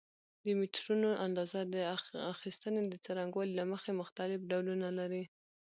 د میټرونو اندازه اخیستنې د څرنګوالي له مخې مختلف ډولونه لري.